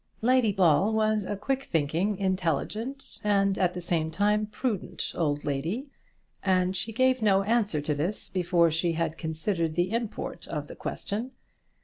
Lady Ball was a quick thinking, intelligent, and, at the same time, prudent old lady, and she gave no answer to this before she had considered the import of the question.